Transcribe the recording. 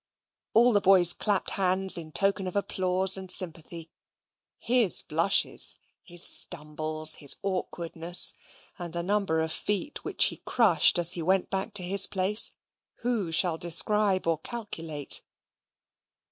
All the boys clapped hands in token of applause and sympathy. His blushes, his stumbles, his awkwardness, and the number of feet which he crushed as he went back to his place, who shall describe or calculate?